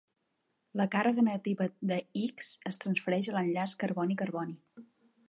La càrrega negativa de X es transfereix a l'enllaç carboni-carboni.